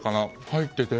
入ってて。